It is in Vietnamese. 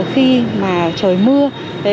khi mà trời mưa